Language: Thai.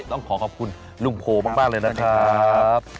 ต้องขอขอบคุณลุงโพมากเลยนะครับ